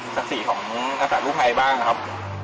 ศักดิ์ศรีของทรัศน์ลูกภัยบ้างนะครับ